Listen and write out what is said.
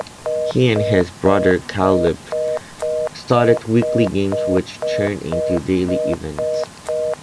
He and his brother Caleb started weekly games which turned into daily events.